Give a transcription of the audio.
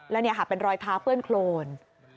และนี่ค่ะเป็นรอยเท้าเปื้อนโครน